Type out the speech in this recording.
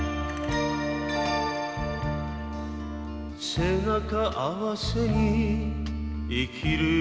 「背中合わせに生きるよりも」